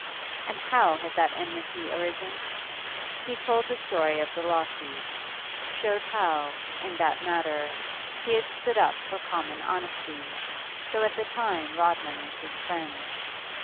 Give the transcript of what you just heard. And how had that enmity arisen? He told the story of the lawsuit; showed how, in that matter, he had stood up for common honesty, though at the time Rodman was his friend.